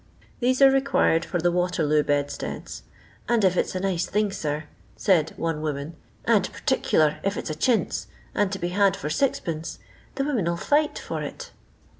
These are required for the Waterloo bedsteads, "and if it's a nice thing, sir," said one woman, "and perticler if it's a chintz, and to be had for 6c/., the women '11 fight for it."